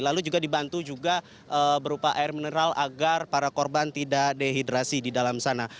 lalu juga dibantu juga berupa air mineral agar para korban tidak dehidrasi di dalam sana